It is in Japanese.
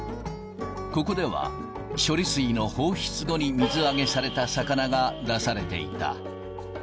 ここでは、処理水の放出後に水揚げされた魚が出されていた。